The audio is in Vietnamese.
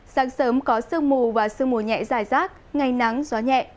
sáng sớm có sương mù và sương mù nhẹ dài rác ngày nắng gió nhẹ